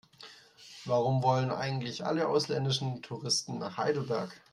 Warum wollen eigentlich alle ausländischen Touristen nach Heidelberg?